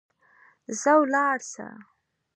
ځه ولاړ سه.